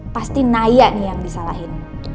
pasti naya nih yang disalahin